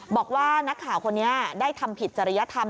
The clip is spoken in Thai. บอกว่านักข่าวคนนี้ได้ทำผิดจริยธรรม